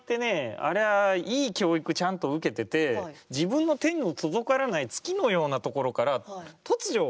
あれはいい教育をちゃんと受けてて自分の手の届かない月のようなところから突如帰ってくるわけですよ。